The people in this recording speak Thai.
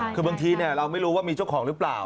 คือบางทีเราไม่รู้ว่ามีเจ้าของหรือเปล่า